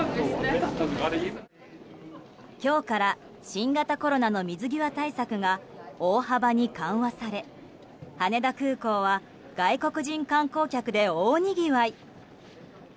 今日から新型コロナの水際対策が大幅に緩和され、羽田空港は外国人観光客で大にぎわい。